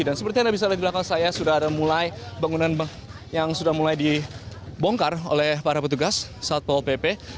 dan seperti yang bisa anda lihat di belakang saya sudah ada mulai bangunan yang sudah mulai dibongkar oleh para petugas satu pp